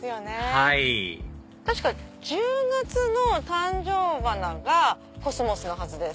はい確か１０月の誕生花がコスモスのはずです。